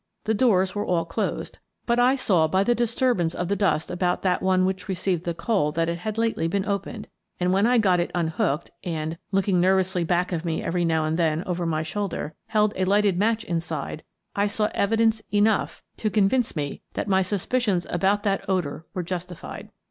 The doors were all closed, but I saw by the disturbance of the dust about that one which received the coal that it had lately been opened, and when I got it un hooked and — looking nervously back of me every now and then over my shoulder — held a lighted match inside, I saw evidence enough to convince In the Cellar 67 me that my suspicions about that odour were justi fiable.